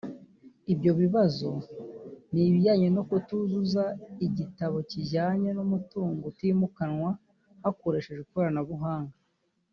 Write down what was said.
Ibyo bibazo ni ibijyanye no kutuzuza igitabo kijyanye n’umutungo utimukanwa hakoreshejwe ikoranabuhanga